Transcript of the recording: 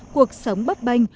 cuộc sống bấp bênh